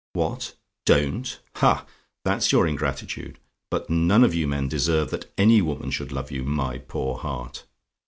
"What? "DON'T? "Ha! that's your ingratitude! But none of you men deserve that any woman should love you. My poor heart!